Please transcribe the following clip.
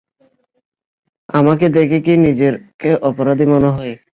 আমাকে দেখে কী নিজেকে অপরাধী মনে হয়।